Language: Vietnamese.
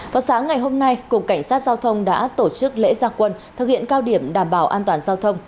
vào sáng ngày hôm nay cục cảnh sát giao thông đã tổ chức lễ gia quân thực hiện cao điểm đảm bảo an toàn giao thông